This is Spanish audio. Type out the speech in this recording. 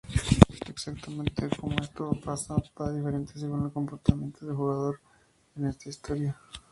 Exactamente como esto pasa va diferente según el comportamiento del jugador en esta historia.